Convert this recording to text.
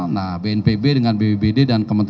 nah bnpb dengan bbbd dan kementerian pendidikan